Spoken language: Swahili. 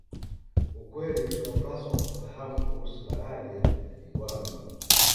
Ukweli tunaopaswa kufahamu kuhusu malaria ni kwamba